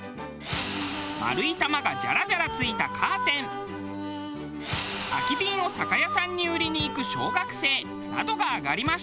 「丸い玉がジャラジャラついたカーテン」「空き瓶を酒屋さんに売りに行く小学生」などが挙がりました。